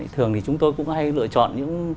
thường thì chúng tôi cũng hay lựa chọn